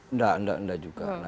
enggak enggak juga